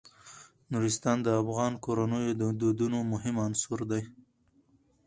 نورستان د افغان کورنیو د دودونو مهم عنصر دی.